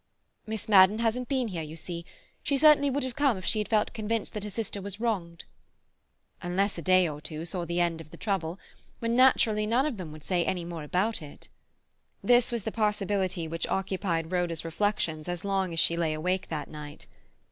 "Miss Madden hasn't been here, you see. She certainly would have come if she had felt convinced that her sister was wronged." "Unless a day or two saw the end of the trouble—when naturally none of them would say any more about it." This was the possibility which occupied Rhoda's reflections as long as she lay awake that night.